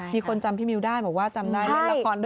มีคนจำพี่มิ้วได้บอกว่าจำได้ละครใน